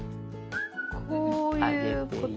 こういうこと。